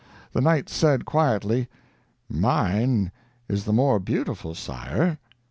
The Knight said quietly: "Mine is the more beautiful, Sire."